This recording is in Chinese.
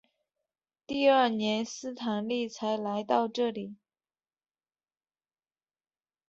第二年斯坦利才来到这里。